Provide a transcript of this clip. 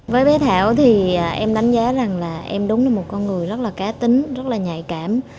với thảo thì em đánh giá rằng là em đúng là một con người rất là cá tính rất là nhạy cảm